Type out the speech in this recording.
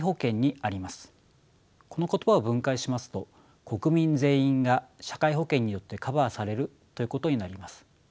この言葉を分解しますと国民全員が社会保険によってカバーされるということになります。